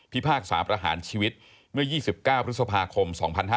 พากษาประหารชีวิตเมื่อ๒๙พฤษภาคม๒๕๕๙